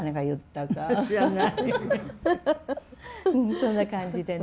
そんな感じでね。